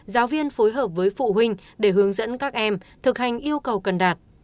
giáo viên phối hợp với phụ huynh để hướng dẫn các em thực hành yêu cầu cần đạt